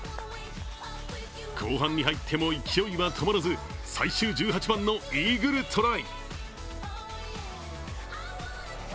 後半に入っても勢いは止まらず最終１８番のイーグルトライ。